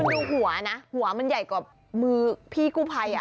คุณดูหัวนะหัวมันใหญ่กว่ามือพี่กู้ไพ่อ่ะ